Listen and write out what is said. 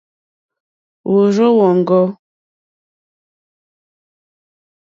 Wòrzô wóŋɡô.